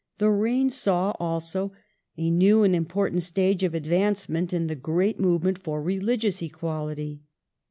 The reign saw also a new and important stage of advancement in the great movement for religious equality.